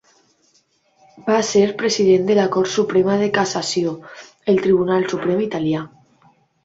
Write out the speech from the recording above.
Va ser president de la Cort Suprema de Cassació, el Tribunal Suprem italià.